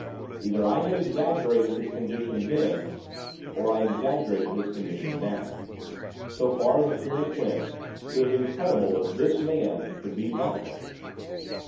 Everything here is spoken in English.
Either I had exaggerated his condition then, or I exaggerated his condition now. So far as appearance went, it was incredible that this man could be that one.